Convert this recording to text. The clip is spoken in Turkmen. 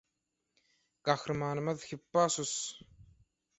Gahrymanymyz Hippasus.